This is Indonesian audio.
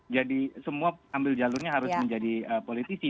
jadi semua ambil jalurnya harus menjadi politisi